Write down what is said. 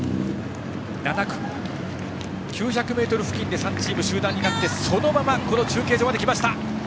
７区、９００ｍ付近で３チームが集団になってそのままこの中継所まで来ました。